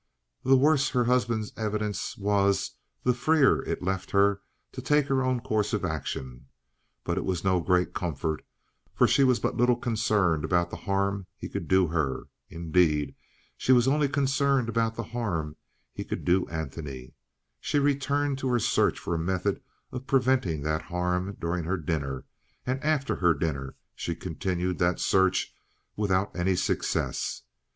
The worse her husband's evidence was the freer it left her to take her own course of action. But it was no great comfort, for she was but little concerned about the harm he could do her. Indeed, she was only concerned about the harm he could do Antony. She returned to her search for a method of preventing that harm during her dinner, and after her dinner she continued that search without any success.